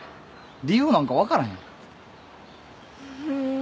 理由なんか分からへん。